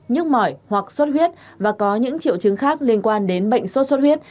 nhức mỏi hoặc sốt huyết và có những triệu chứng khác liên quan đến bệnh sốt xuất huyết